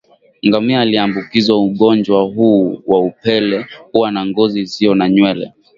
Ngamia aliyeambukizwa ugonjwa huu wa upele huwa na ngozi isiyo na nywele